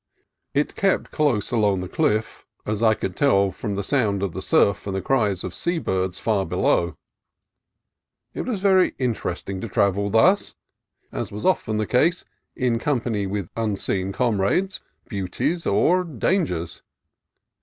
It kept close along the cliff, as I could tell by the sound of the surf and the cries of sea birds far below. It was very interesting to travel thus, as was often the case, in company with unseen comrades, beauties, or dangers.